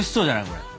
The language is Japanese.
これ。